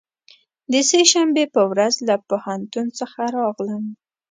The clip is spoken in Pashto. د سه شنبې په ورځ له پوهنتون څخه راغلم.